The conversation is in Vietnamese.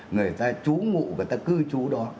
người ta trú ngụ người ta cư trú đó